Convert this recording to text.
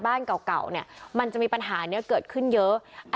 บ้านเก่าเนี่ยมันจะมีปัญหานี้เกิดขึ้นเยอะ